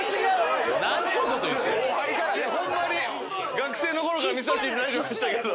学生のころから見させていただいてましたけど。